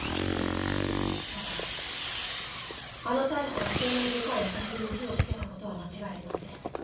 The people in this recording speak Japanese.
ただあの逮捕が執念深い赤蛇に火をつけたことは間違いありません。